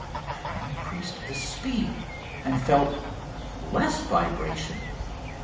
I increased the speed, and felt less vibration!